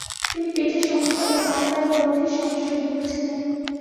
তিনি পেটের সমস্যা ও হাত পায়ের গ্রন্থির সমস্যায় ভুগছিলেন।